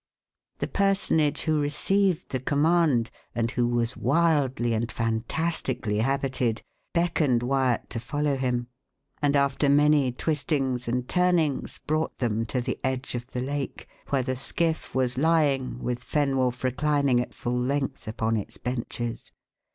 The personage who received the command, and who was wildly and fantastically habited, beckoned Wyat to follow him, and after many twistings and turnings brought them to the edge of the lake, where the skiff was lying, with Fenwolf reclining at full length upon its benches.